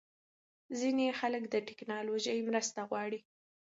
ځینې خلک د ټېکنالوژۍ مرسته غواړي.